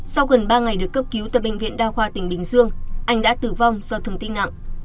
sau gần ba ngày được cấp cứu tại bệnh viện đa khoa tỉnh bình dương anh đã tử vong do thương tích nặng